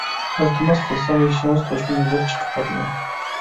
ئىلتىماس قىلسام «يېشىڭىز توشمىدى» دەپ چىقىۋاتىدۇ.